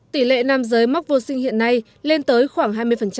tỷ lệ nam giới mắc vô sinh hiện nay lên tới khoảng hai mươi